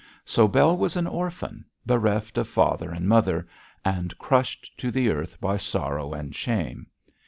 So Bell was an orphan, bereft of father and mother, and crushed to the earth by sorrow and shame.